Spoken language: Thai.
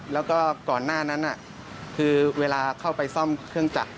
แล้วก็ก่อนหน้านั้นคือเวลาเข้าไปซ่อมเครื่องจักร